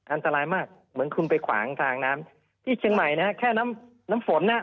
อันตรายมากเหมือนคุณไปขวางทางน้ำที่เชียงใหม่นะฮะแค่น้ำน้ำฝนน่ะ